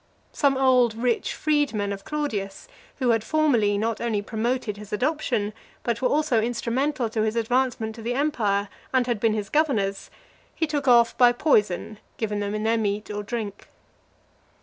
Some old rich freedmen of Claudius, who had formerly not only promoted (366) his adoption, but were also instrumental to his advancement to the empire, and had been his governors, he took off by poison given them in their meat or drink.